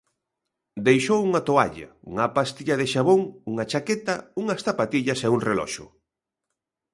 Deixou unha toalla, unha pastilla de xabón, unha chaqueta, unhas zapatillas e un reloxo.